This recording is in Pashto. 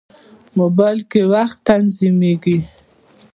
موبایل کې وخت تنظیمېږي.